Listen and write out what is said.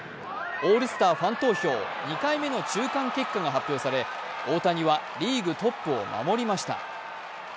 オールスターファン投票、２回目の中間結果が発表され、大谷はリーグトップを守りました。